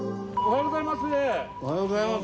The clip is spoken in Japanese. おはようございます。